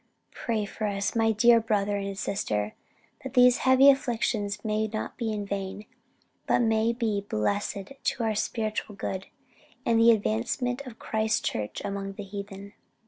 Pray for us, my dear brother and sister, that these heavy afflictions may not be in vain, but may be blessed to our spiritual good, and the advancement of Christ's Church among the heathen."